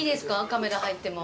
カメラ入っても。